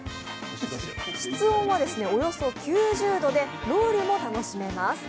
室温はおよそ９０度でロウリュも楽しめます。